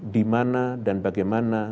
di mana dan bagaimana